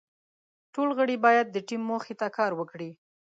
ټول غړي باید د ټیم موخې ته کار وکړي.